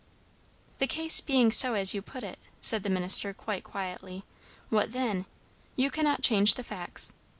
"The case being so as you put it," said the minister quite quietly, "what then? You cannot change the facts.